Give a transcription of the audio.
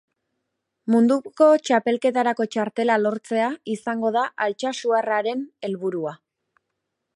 Munduko txapelketarako txartela lortzea izango da altsasuarraren helburua.